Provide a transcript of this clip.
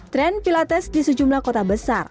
tren pilates di sejumlah kota besar